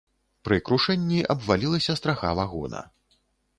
Пры крушэнні абвалілася страха вагона.